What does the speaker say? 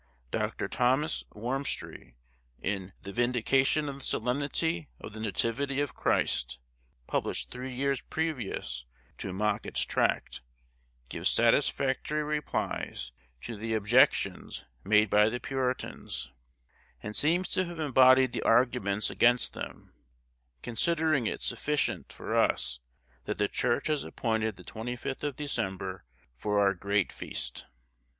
Dr. Thomas Warmstry, in 'The Vindication of the Solemnity of the Nativity of Christ,' published three years previous to Mockett's tract, gives satisfactory replies to the objections made by the Puritans, and seems to have embodied the arguments against them, considering it sufficient for us that the Church has appointed the 25th of December for our great feast.